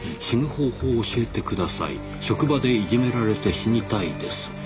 「死ぬ方法教えてください」「職場でいじめられて死にたいです」